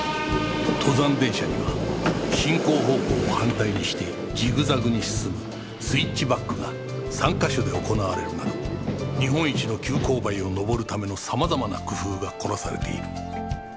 登山電車には進行方向を反対にしてジグザグに進むスイッチバックが３カ所で行われるなど日本一の急勾配を登るための様々な工夫が凝らされている